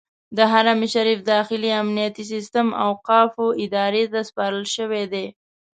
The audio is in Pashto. د حرم شریف داخلي امنیتي سیستم اوقافو ادارې ته سپارل شوی دی.